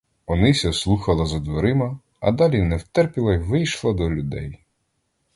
Онися слухала за дверима, а далі не втерпіла й вийшла до людей.